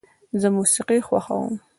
زه موسیقي خوښوم.